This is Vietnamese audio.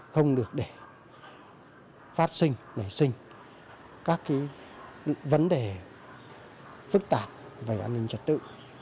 không được để phát sinh nảy sinh các vấn đề phức tạp về an ninh trật tự